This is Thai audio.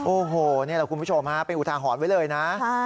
โอ้โหนี่แหละคุณผู้ชมฮะเป็นอุทาหรณ์ไว้เลยนะ